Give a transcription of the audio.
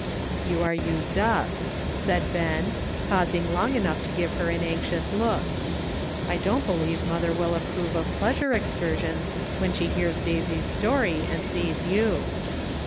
"You are used up," said Ben, pausing long enough to give her an anxious look. " I don't believe mother will approve of pleasure excur sions when she hears Daisy's story, and sees you."